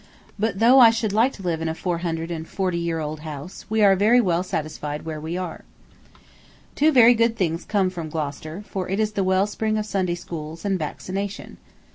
But though I should like to live in a four hundred and forty year old house, we are very well satisfied where we are. Two very good things come from Gloucester, for it is the well spring of Sunday schools and vaccination.